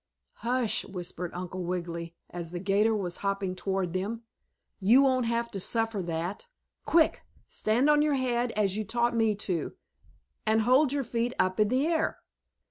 "Hush!" whispered Uncle Wiggily, as the 'gator was hopping toward them. "You won't have to suffer that! Quick! Stand on your head as you taught me to, and hold your feet up in the air!"